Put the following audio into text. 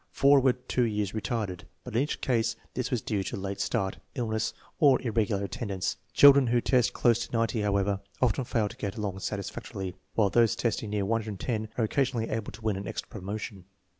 Four were two years retarded, but in each case this was due to late start, illness, or irregular attendance. Children who test close to 90, however, often fail to get along satisfactorily, while those testing near 110 are oc casionally able to win an extra promotion.